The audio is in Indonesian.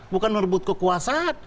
bukan merebut kekuasaan